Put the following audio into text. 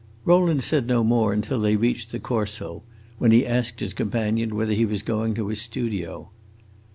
Rowland said no more until they reached the Corso, when he asked his companion whether he was going to his studio.